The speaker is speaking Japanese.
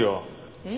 えっ？